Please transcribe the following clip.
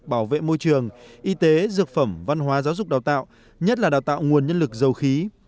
bảo vệ môi trường y tế dược phẩm văn hóa giáo dục đào tạo nhất là đào tạo nguồn nhân lực dầu khí